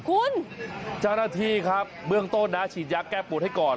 คุณจ้านาธีครับเบื้องโตนนะฉีดยักษ์แก้ปวดให้ก่อน